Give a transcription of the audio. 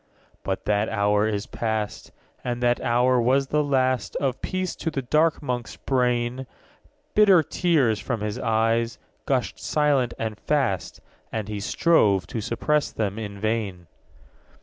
_15 3. But that hour is past; And that hour was the last Of peace to the dark Monk's brain. Bitter tears, from his eyes, gushed silent and fast; And he strove to suppress them in vain.